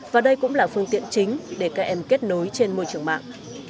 và đây cũng là phương tiện chính để các em kết nối trên môi trường mạng